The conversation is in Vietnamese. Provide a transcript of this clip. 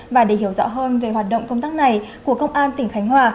và để hiểu rõ hơn về hoạt động công tác này của công an tỉnh khánh hòa